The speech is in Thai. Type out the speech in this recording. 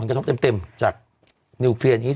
กระทบเต็มจากนิวเคลียร์นี้